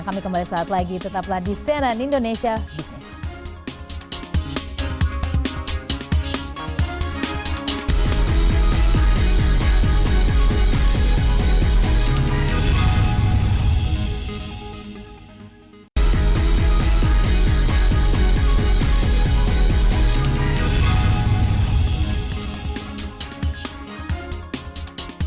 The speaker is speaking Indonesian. kami kembali saat lagi tetaplah di senan indonesia business